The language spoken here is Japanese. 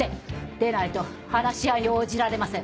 でないと話し合いに応じられません。